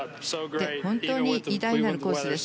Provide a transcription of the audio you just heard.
本当に偉大なるコースです。